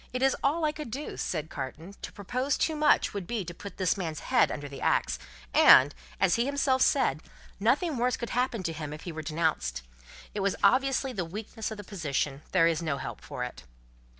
"It is all I could do," said Carton. "To propose too much, would be to put this man's head under the axe, and, as he himself said, nothing worse could happen to him if he were denounced. It was obviously the weakness of the position. There is no help for it."